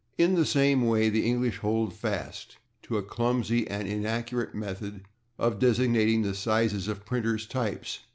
In the same way the English hold fast to a clumsy and inaccurate method of designating the sizes of printers' types.